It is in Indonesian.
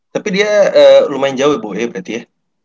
tapi dia lumayan jauh ya bu ya berarti ya